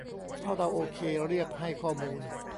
ถ้าเราโอเค เรียก "ให้ข้อมูล"